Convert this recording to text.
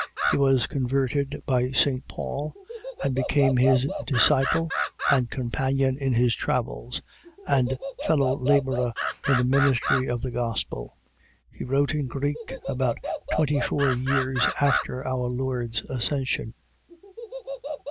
He was converted by St. Paul and became his disciple and companion in his travels, and fellow labourer in the ministry of the Gospel. He wrote in Greek, about twenty four years after our Lord's Ascension.